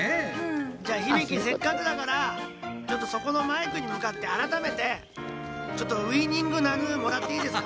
じゃあヒビキせっかくだからちょっとそこのマイクにむかってあらためてウイニングなぬもらっていいですか？